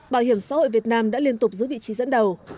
bảo hiểm xã hội việt nam đã liên tục giữ vị trí dẫn đầu